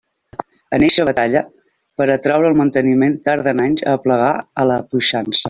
En eixa batalla per a traure el manteniment tarden anys a aplegar a la puixança.